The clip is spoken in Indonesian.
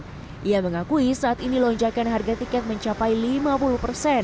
dia mengakui saat ini lonjakan harga tiket mencapai lima puluh persen